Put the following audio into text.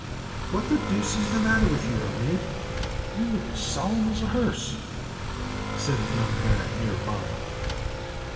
"What the deuse is the matter with you, Elliot? You look as solemn as a hearse!" said a young man near by.